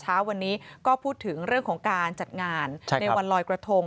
เช้าวันนี้ก็พูดถึงเรื่องของการจัดงานในวันลอยกระทง